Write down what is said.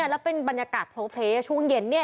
แล้วเป็นบรรยากาศโพลเพลย์ช่วงเย็น